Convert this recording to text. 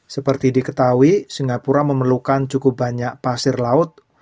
seperti diketahui singapura memerlukan cukup banyak pasir laut